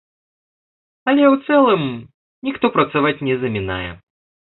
Але ў цэлым, ніхто працаваць не замінае.